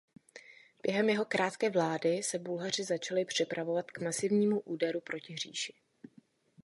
Během jeho krátké vlády se Bulhaři začali připravovat k masivnímu úderu proti říši.